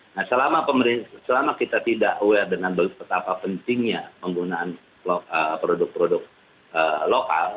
nah selama kita tidak aware dengan betapa pentingnya penggunaan produk produk lokal